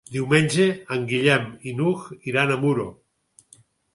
Diumenge en Guillem i n'Hug iran a Muro.